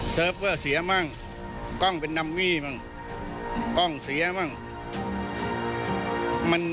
เวอร์เสียมั่งกล้องเป็นนัมวี่บ้างกล้องเสียบ้าง